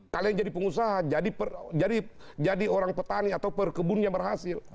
kalian jadi pengusaha jadi orang petani atau perkebun yang berhasil